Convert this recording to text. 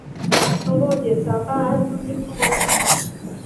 通过检察办案促进复工复产